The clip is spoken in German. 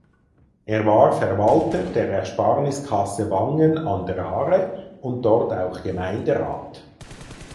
Er war Verwalter der Ersparniskasse Wangen an der Aare und dort auch Gemeinderat.